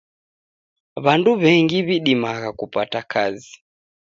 W'andu w'engi w'idimagha kupata kazi.